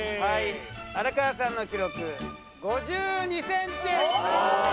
荒川さんの記録５２センチ。